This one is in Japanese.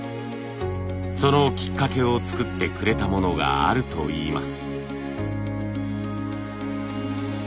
そのきっかけを作ってくれたものがあるといいます。